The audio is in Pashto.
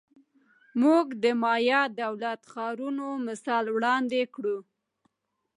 موږ به د مایا دولت ښارونو مثال وړاندې کړو